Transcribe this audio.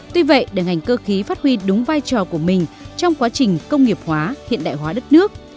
tuy vậy để ngành cơ khí phát huy đúng vai trò của mình trong quá trình công nghiệp hóa hiện đại hóa đất nước